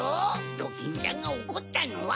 ドキンちゃんがおこったのは。